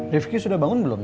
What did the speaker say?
riffky sudah bangun belum